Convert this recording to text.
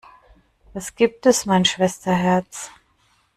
Was gibt es, mein Schwesterherz?